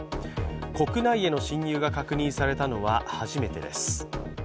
国内への侵入が確認されたのは初めてです。